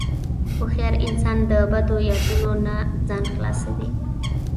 هوښیار انسان د بدو یادونو نه ځان خلاصوي.